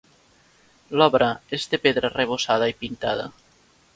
L'obra és de pedra arrebossada i pintada.